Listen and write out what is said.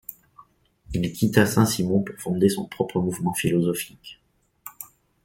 Il quitta Saint-Simon pour fonder son propre mouvement philosophique.